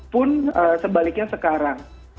pun sebaliknya sekarang